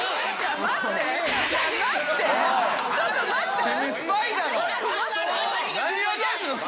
ちょっと待って！